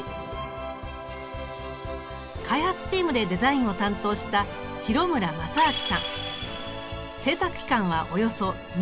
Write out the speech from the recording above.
開発チームでデザインを担当した制作期間はおよそ２年。